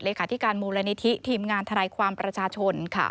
เลขาที่การมูลนิธิทีมงานทรายความประชาชน